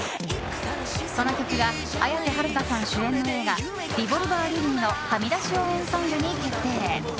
その曲が、綾瀬はるかさん主演映画「リボルバー・リリー」のはみ出し応援ソングに決定。